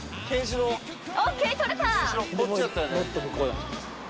もっと向こうだ。